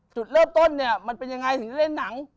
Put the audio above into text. จุดเริ่มต้นเนี่ยมันเป็นยังไงถึงได้เล่นหนัง